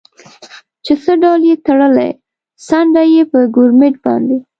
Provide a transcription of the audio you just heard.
چې څه ډول یې تړلی، څنډه یې په ګورمېټ باندې.